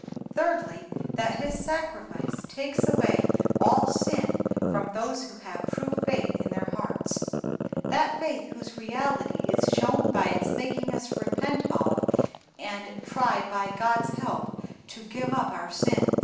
"Thirdly, that His Sacrifice takes away all sin from those who have true faith in their hearts; that faith whose reality is shown by its making us repent of and try, by God's help, to give up our sins."